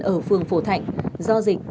ở phường phổ thạnh do dịch